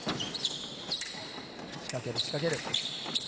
仕掛ける、仕掛ける。